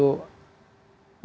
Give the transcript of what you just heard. bekerja di wilayah bencana